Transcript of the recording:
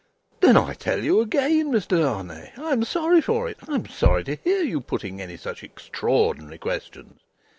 "Then I tell you again, Mr. Darnay, I am sorry for it. I am sorry to hear you putting any such extraordinary questions.